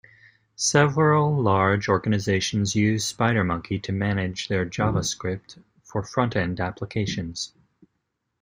Several large organizations use SpiderMonkey to manage their JavaScript for front-end applications.